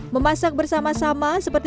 sebabnya buat mel database